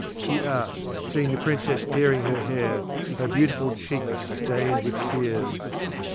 she asked, seeing the Princess tearing her hair, her beautiful cheeks stained with tears.